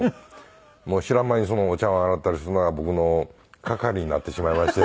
知らん間にお茶碗洗ったりするのが僕の係になってしまいまして。